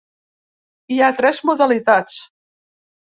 Hi ha tres modalitats: